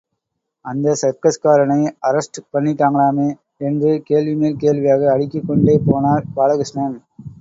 அந்த சர்க்கஸ்காரனை அரஸ்ட் பண்ணிட்டாங்களாமே? என்று கேள்வி மேல் கேள்வியாக அடுக்கிக் கொண்டே போனார் பாலகிருஷ்ணன்.